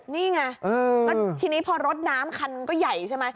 นี่ไงแล้วทีนี้พอรถน้ำคันก็ใหญ่ใช่ไหม